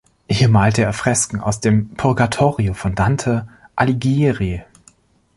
Hier malte er Fresken aus dem "Purgatorio" von Dante Alighieri.